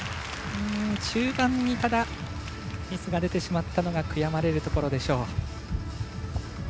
中盤にミスが出てしまったのが悔やまれるところでしょう。